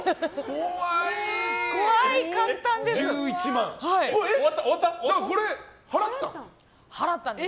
怖かったんです。